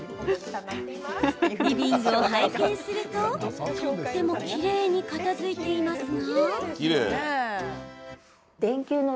リビングを拝見するととってもきれいに片づいていますが。